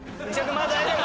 まだ大丈夫よ。